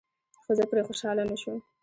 خو زه پرې خوشحاله نشوم.